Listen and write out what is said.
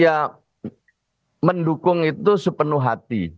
ya mendukung itu sepenuh hati